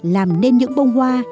làm nên những bông hoa